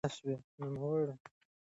نوموړي د اپوزېسیون ائتلافونه جوړ کړل.